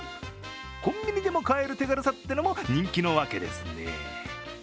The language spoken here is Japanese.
コンビニでも買える手軽さというのも人気のわけですね。